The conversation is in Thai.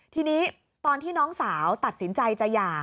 ทีนี้ตอนที่น้องสาวตัดสินใจจะหย่า